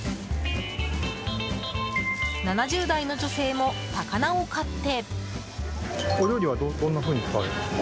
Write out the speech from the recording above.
７０代の女性も高菜を買って。